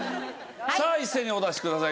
さあ一斉にお出しください。